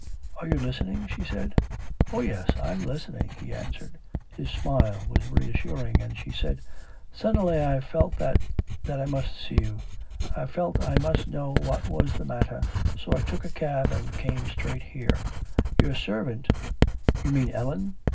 'Are you listening?' she said. 'Oh yes, I'm listening,' he answered, his smile was reassuring, and she said: 'Suddenly I felt that that I must see you. I felt I must know what was the matter, so I took a cab and came straight here. Your servant ' 'You mean Ellen.'